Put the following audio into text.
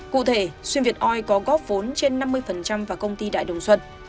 cụ thể xuyên việt oi có góp vốn trên năm mươi vào công ty đại đồng xuân